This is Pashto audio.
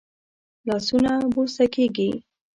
لاسونه بوسه کېږي